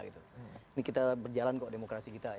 ini kita berjalan kok demokrasi kita